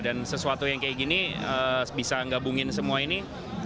dan sesuatu yang kayak gini bisa ngabungin semua ini